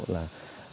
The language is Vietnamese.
là nhập hạt nhựa